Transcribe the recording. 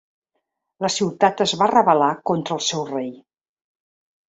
La ciutat es va rebel·lar contra el seu rei.